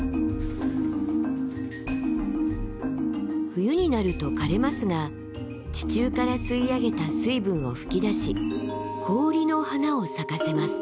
冬になると枯れますが地中から吸い上げた水分を噴き出し氷の花を咲かせます。